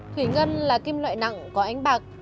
thủy ngân là kim loại nặng có ánh bạc